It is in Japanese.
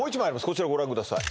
こちらご覧ください